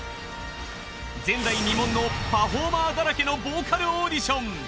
前代未聞のパフォーマーだらけのボーカルオーディション。